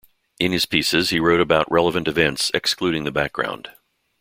In his pieces he wrote about relevant events, excluding the background.